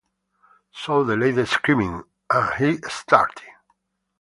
So the lady screamed, and he started.